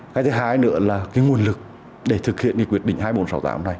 cái thứ hai nữa là cái nguồn lực để thực hiện cái quyết định hai nghìn bốn trăm sáu mươi tám này